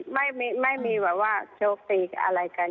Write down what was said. ไม่มีไม่มีแบบว่ายกพวกอะไรกัน